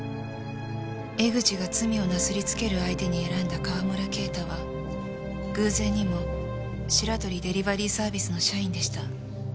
江口が罪をなすりつける相手に選んだ川村啓太は偶然にもシラトリ・デリバリーサービスの社員でした。